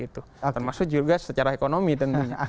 termasuk juga secara ekonomi tentunya